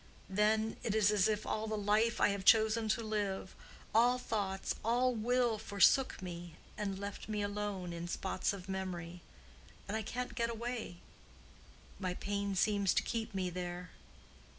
Then it is as if all the life I have chosen to live, all thoughts, all will, forsook me and left me alone in spots of memory, and I can't get away: my pain seems to keep me there.